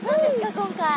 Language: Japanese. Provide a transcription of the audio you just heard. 今回。